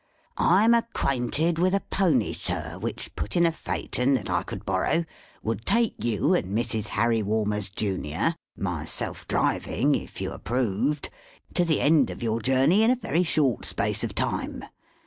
I'm acquainted with a pony, sir, which, put in a pheayton that I could borrow, would take you and Mrs. Harry Walmers, Junior, (myself driving, if you approved,) to the end of your journey in a very short space of time.